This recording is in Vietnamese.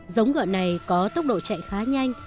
giống ngựa này có tốc độ chạy khá nhanh